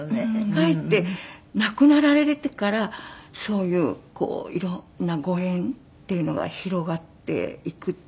かえって亡くなられてからそういう色んなご縁っていうのが広がっていくっていうか